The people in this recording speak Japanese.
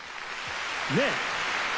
ねえ？